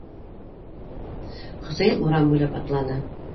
Хөсәйен урам буйлап атланы.